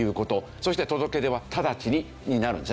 そして届け出は「直ちに」になるんですね。